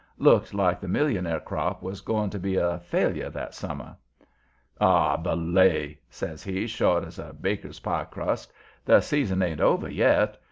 Looked like the millionaire crop was going to be a failure that summer. "Aw, belay!" says he, short as baker's pie crust. "The season ain't over yet.